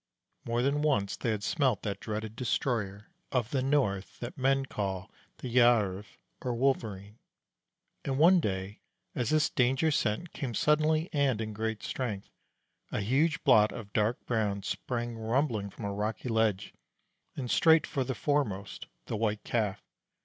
More than once they had smelt that dreaded destroyer of the north that men call the Gjerv or Wolverene; and one day, as this danger scent came suddenly and in great strength, a huge blot of dark brown sprang rumbling from a rocky ledge, and straight for the foremost the White Calf.